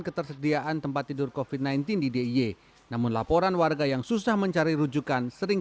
ketersediaan tempat tidur kofit sembilan belas di d i y namun laporan warga yang susah mencari rujukan sering